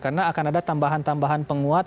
karena akan ada tambahan tambahan penguat